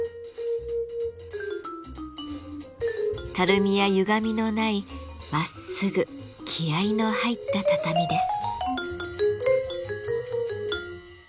たるみやゆがみのないまっすぐ気合いの入った畳です。